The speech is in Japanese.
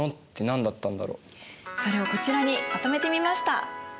それをこちらにまとめてみました。